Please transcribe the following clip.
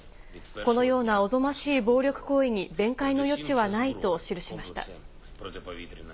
このようなおぞましい暴力行為に弁解の余地はないと記しました。